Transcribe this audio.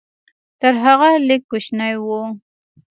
تر هغه لږ کوچنی و.